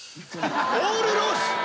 オールロース。